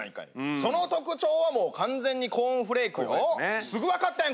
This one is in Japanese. その特徴はもう完全にコーンフレークよすぐ分かったやん